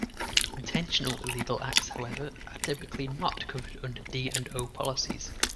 Intentional illegal acts, however, are typically not covered under D and O policies.